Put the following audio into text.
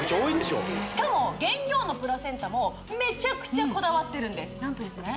しかも原料のプラセンタもメチャクチャこだわってるんです何とですね